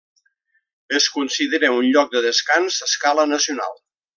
Es considera un lloc de descans a escala nacional.